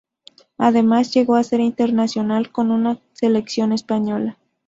Además, llegó a ser internacional con la selección española.